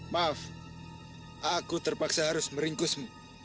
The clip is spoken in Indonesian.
maaf aku terpaksa harus meringkusmu